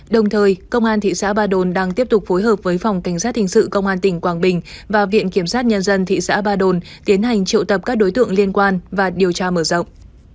đồng thời công an thị xã ba đồn đang tiếp tục phối hợp với phòng cảnh sát hình sự công an tỉnh quảng bình và viện kiểm sát nhân dân thị xã ba đồn tiến hành triệu tập các đối tượng liên quan và điều tra mở rộng